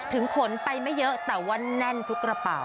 ขนไปไม่เยอะแต่ว่าแน่นทุกกระเป๋า